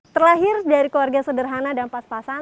terlahir dari keluarga sederhana dan pas pasan